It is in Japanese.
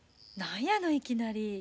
何やのいきなり。